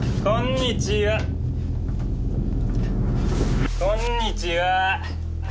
こんにちは。